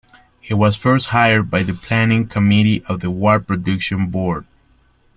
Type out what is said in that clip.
He was first hired by the Planning Committee of the War Production Board.